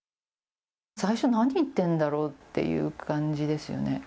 最初、何言ってるんだろうっていう感じですよね。